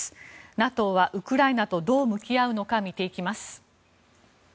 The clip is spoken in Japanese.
ＮＡＴＯはウクライナとどう向き合うのか見ていきます。